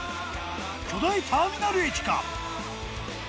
巨大ターミナル駅か？